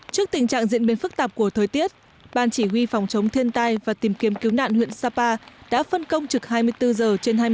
trước tình trạng diễn biến phức tạp của thời tiết ban chỉ huy phòng chống thiên tai và tìm kiếm cứu nạn huyện sapa đã phân công trực hai mươi bốn giờ trên hai mươi bốn giờ